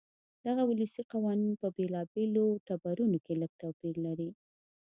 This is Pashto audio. دغه ولسي قوانین په بېلابېلو ټبرونو کې لږ توپیر لري.